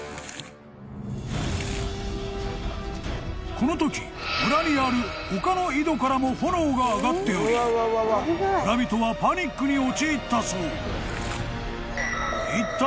［このとき村にある他の井戸からも炎が上がっており村人はパニックに陥ったそう］